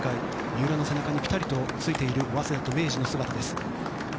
三浦の背中にピタリとついている早稲田と明治です。